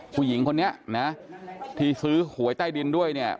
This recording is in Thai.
ผู้หญิงคนนี้นะที่ซื้อหวยใต้ดินด้วยเนี่ย